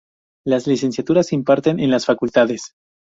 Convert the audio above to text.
Las licenciaturas se imparten en las facultades.